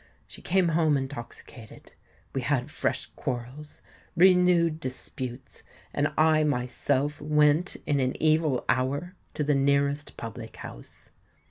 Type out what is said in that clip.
She came home intoxicated; we had fresh quarrels—renewed disputes; and I myself went in an evil hour to the nearest public house.